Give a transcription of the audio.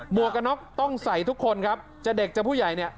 วกกระน็อกต้องใส่ทุกคนครับจะเด็กจะผู้ใหญ่เนี่ย